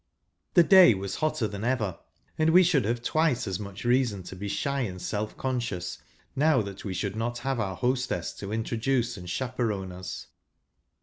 The day was hotter. tWn ever ; and we should have twice as. much reason to be shy and self conscious, now that we shoujd pot have our ; hostess to iutrodupp and chaperone us.